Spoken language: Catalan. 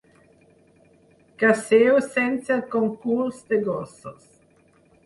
Caceu sense el concurs de gossos.